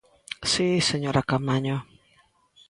¡Si, señora Caamaño!